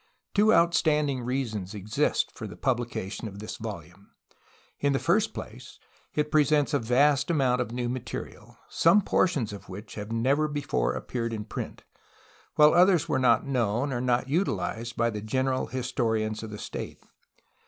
Two outstanding reasons exist for the publication of this volume. In the first place, it presents a vast amount of new material, some portions of which have never before appeared in print, while others were not known, or not utilized, by the general historians of the state.